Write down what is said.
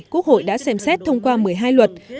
quốc hội đã xem xét thông qua một mươi hai luật